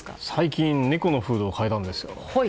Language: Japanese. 最近猫のフードを変えたんです。